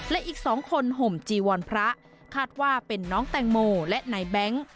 และอีก๒คนห่มจีวรพระคาดว่าเป็นน้องแตงโมและนายแบงค์